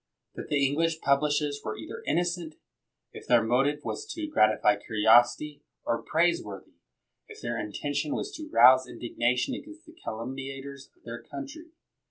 That the English publishers were either innocent, if their motive was to gratify curiosity, or praiseworthy, if their intention was to rouse indignation against the calumniators of their country.